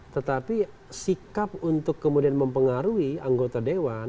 tetapi sikap untuk kemudian mempengaruhi anggota dewan